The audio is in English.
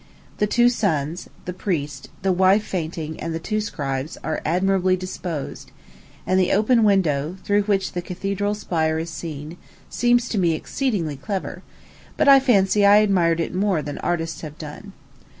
The two sons, the priest, the wife fainting, and the two scribes, are admirably disposed; and the open window, through which the cathedral spire is seen, seems to me exceedingly clever; but I fancy I admired it more than artists have done.